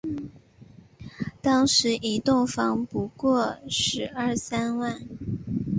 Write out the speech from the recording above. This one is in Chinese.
当时一栋房不过十二三万